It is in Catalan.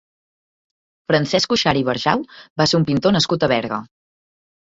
Francesc Cuixart i Barjau va ser un pintor nascut a Berga.